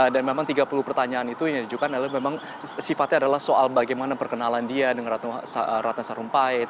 dan memang tiga puluh pertanyaan itu yang diunjukkan adalah memang sifatnya adalah soal bagaimana perkenalan dia dengan ratna sarumpait